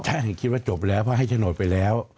ใช่คิดว่าจบแล้วเพราะให้โฉนดไปแล้ว